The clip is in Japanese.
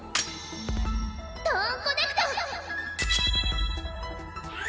トーンコネクト！